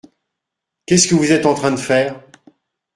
Qu’est-ce que vous êtes en train de faire ?